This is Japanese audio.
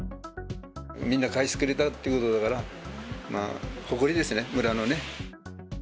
みんな返してくれたってことだから、誇りですね、村のね。